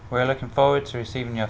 hoặc địa chỉ email